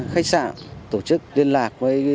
khách sạn tổ chức liên lạc với